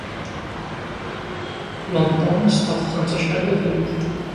London sṭerḍqen-tt acḥal d abrid.